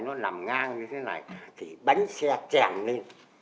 nó nằm ngang như thế này thì bánh xe chèn lên